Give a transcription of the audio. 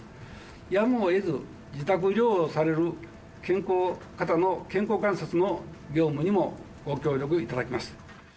やむをえず自宅療養される方の健康観察の業務にもご協力いただきます。